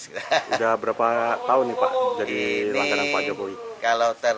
sudah berapa tahun nih pak jadi langganan pak jokowi